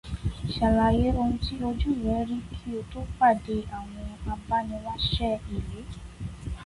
Ṣàlàyé oun tí ojú ẹ rí kí o tó pàdé àwọn abániwáṣẹ́ ìlú